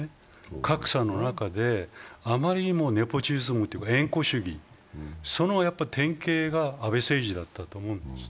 格差の中であまりにもネポジズムというか縁故主義、その典型が安倍政治だったと思うんです。